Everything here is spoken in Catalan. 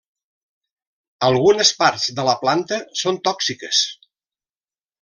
Algunes parts de la planta són tòxiques.